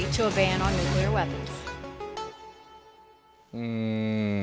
うん。